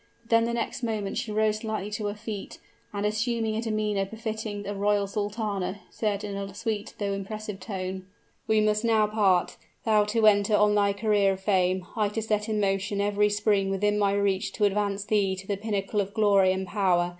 But the next moment she rose lightly to her feet, and assuming a demeanor befitting a royal sultana, said in a sweet, though impressive tone: "We must now part thou to enter on thy career of fame, I to set in motion every spring within my reach to advance thee to the pinnacle of glory and power.